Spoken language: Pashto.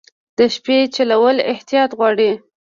د شپې چلول احتیاط غواړي.